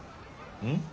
うん？